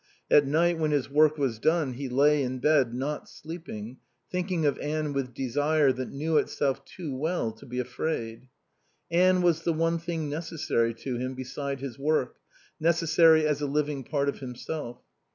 At night when his work was done, he lay in bed, not sleeping, thinking of Anne with desire that knew itself too well to be afraid. Anne was the one thing necessary to him beside his work, necessary as a living part of himself.